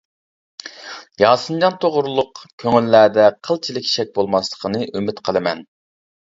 ياسىنجان توغرىلىق كۆڭۈللەردە قىلچىلىك شەك بولماسلىقىنى ئۈمىد قىلىمەن.